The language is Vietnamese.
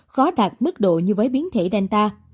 khó đạt mức độ như với biến thể delta